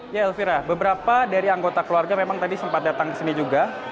ya elvira beberapa dari anggota keluarga memang tadi sempat datang ke sini juga